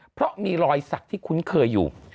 เพราะมีรอยสักที่คุ้นเคยอยู่